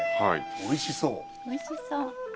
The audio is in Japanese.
おいしそう。